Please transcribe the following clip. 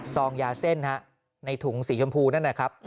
ซองยาเส้นในถุงสีชมพูนั่นนะครับ